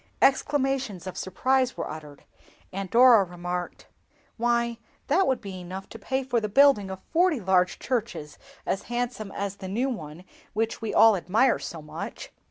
Exclamations of surprise were uttered, and Dora remarked—"Why, that would be enough to pay for the building of forty large churches as handsome as the new one which we all admire so much."